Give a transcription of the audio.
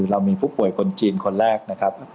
เรามีผู้ป่วยคนจีนคนแรกนะครับ